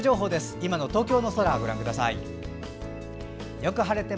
今の東京の空ご覧ください。